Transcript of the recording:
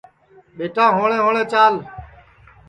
ٻیٹا ہوݪے ہوݪے چال